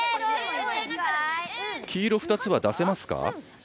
黄色２つは出せますか？